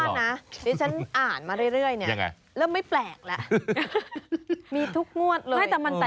ดิฉันอ่านมาเรื่อยเริ่มไม่แปลกแล้วมีทุกงวดเลย